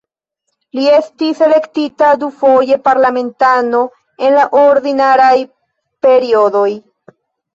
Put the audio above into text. Li estis elektita dufoje parlamentano en la ordinaraj periodoj.